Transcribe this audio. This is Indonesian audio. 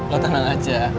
lo tenang aja